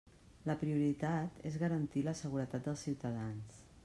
La prioritat és garantir la seguretat dels ciutadans.